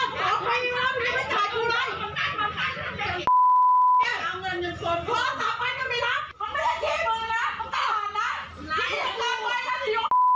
จะรุมชั้นมั้ย